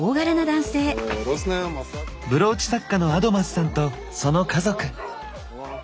ブローチ作家のアドマスさんとその家族。